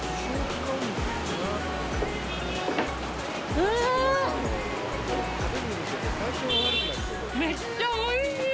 うん、めっちゃおいしい！